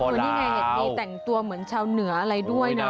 อันนี้ไงนี่แต่งตัวเหมือนชาวเหนืออะไรด้วยนะ